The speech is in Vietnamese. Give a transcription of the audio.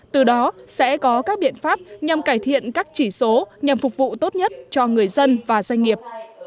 từ đó sẽ có các biện pháp nhằm cải thiện các chỉ số nhằm phục vụ tốt nhất cho người dân và doanh nghiệp